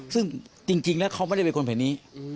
ซึ่งจริงแล้วเขาไม่ได้เป็นคนแผ่นนี้